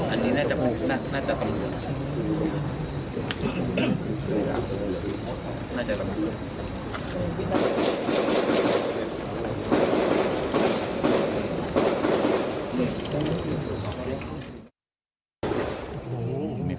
อันนี้น่าจะน่าจะ